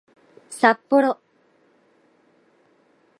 さっぽろ